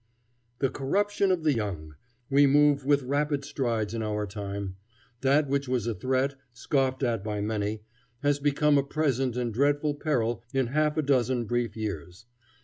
The corruption of the young! We move with rapid strides in our time. That which was a threat, scoffed at by many, has become a present and dreadful peril in half a dozen brief years.